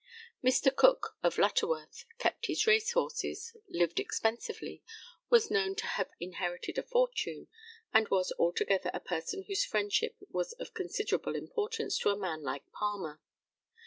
Mr. Cook, of Lutterworth, kept his racehorses, lived expensively, was known to have inherited a fortune, and was altogether a person whose friendship was of considerable importance to a man like Palmer.